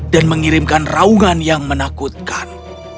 mengirimkan raungan yang menakutkan